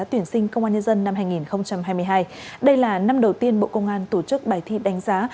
tuyển sinh công an nhân dân năm hai nghìn hai mươi hai đây là năm đầu tiên bộ công an tổ chức bài thi đánh giá